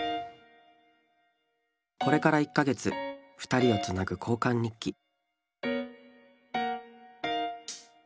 これから１か月ふたりをつなぐ交換日記。